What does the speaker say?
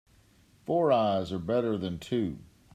Four eyes are better than two.